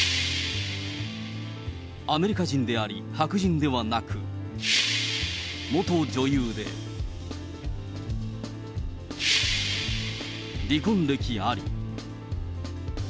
アメリカ人であり、白人ではなく、元女優で、離婚歴あり。